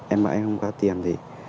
em bà ấy không có tiền thì